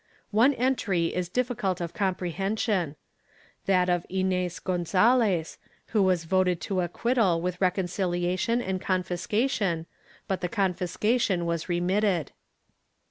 One entry is difficult of comprehension — that of Inez Gonzalez, who was voted to acquittal with reconcihation and confiscation, but the confiscation was remitted.